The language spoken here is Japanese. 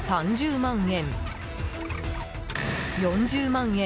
３０万円。